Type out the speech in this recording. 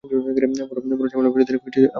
বড়ো ঝামেলায় ফেলে দিলে আমায়, ক্যাপ্টেন।